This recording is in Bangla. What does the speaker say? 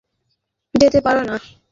তুমি কি নিজে মক্কা যেতে পার না?